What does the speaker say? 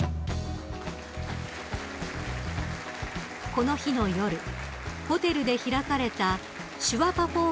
［この日の夜ホテルで開かれた手話パフォーマンス